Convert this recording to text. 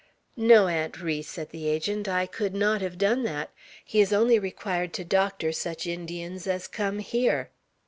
"No, Aunt Ri," said the Agent; "I could not have done that; he is only required to doctor such Indians as come here."